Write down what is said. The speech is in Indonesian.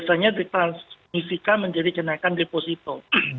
biasanya ditransmisikan menjadi kenaikan deposito